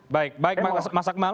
baik baik mas akmal